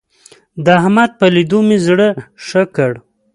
د احمد په ليدو مې زړه ښه کړ.